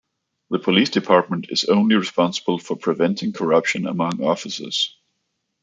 The police department is only responsible for preventing corruption among officers.